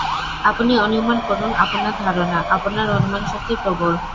আপনি অনুমান করুন, আপনার ধারণা, আপনার অনুমানশক্তি প্রবল।